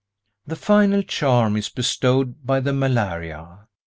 The final charm is bestowed by the malaria.